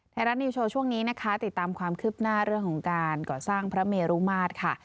ไทยรัฐนิวโชว์ช่วงนี้นะคะติดตามความคืบหน้าเรื่องของการก่อสร้างพระเมรุมาตรค่ะ